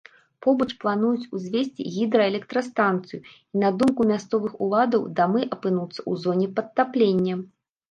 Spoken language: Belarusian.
Побач плануюць узвесці гідраэлектрастанцыю, і на думку мясцовых уладаў, дамы апынуцца ў зоне падтаплення.